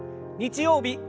日曜日